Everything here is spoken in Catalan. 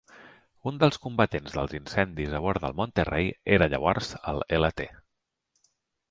Un dels combatents dels incendis a bord del "Monterey" era llavors el Lt.